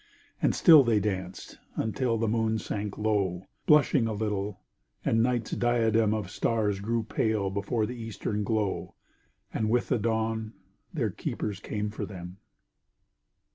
And still they danced, until the moon sank low, Blushing a little, and night's diadem Of stars grew pale before the eastern glow.... And with the dawn their keepers came for them.